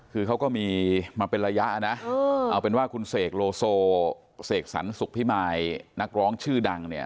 คือเขาก็มีมาเป็นระยะนะเอาเป็นว่าคุณเสกโลโซเสกสรรสุขพิมายนักร้องชื่อดังเนี่ย